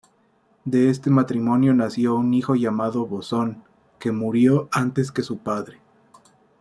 De este matrimonio nació un hijo llamado Bosón que murió antes que su padre.